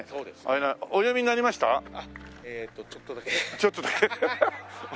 ちょっとだけ。